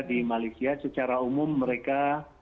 di malaysia secara umum mereka